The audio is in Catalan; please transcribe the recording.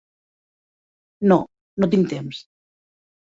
No, no tinc temps.